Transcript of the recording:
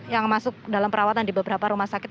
yang masuk dalam perawatan di beberapa rumah sakit